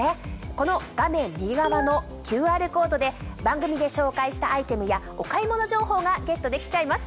この画面右側のＱＲコードで番組で紹介したアイテムやお買い物情報がゲットできちゃいます。